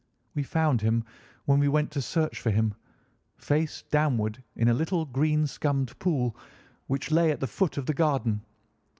We found him, when we went to search for him, face downward in a little green scummed pool, which lay at the foot of the garden.